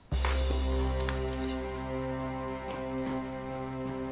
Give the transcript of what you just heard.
失礼します。